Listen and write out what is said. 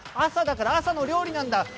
朝だから朝の料理なんだ。